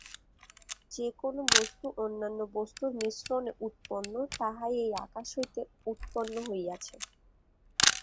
যে-কোন বস্তু অন্যান্য বস্তুর মিশ্রণে উৎপন্ন, তাহাই এই আকাশ হইতে উৎপন্ন হইয়াছে।